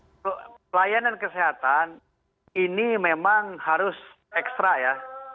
untuk pelayanan kesehatan ini memang harus ekstra ya